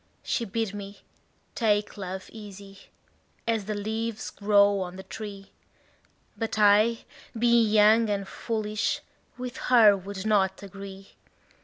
She bid me take love easy, as the leaves grow on the tree; But I, being young and foolish, with her would not agree.